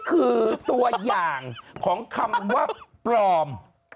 คือตัวอย่างของคำว่าปลอม